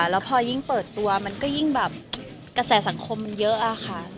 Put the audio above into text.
แล้วพอยิ่งเปิดตัวมันก็ยิ่งแบบกระแสสังคมมันเยอะอะค่ะ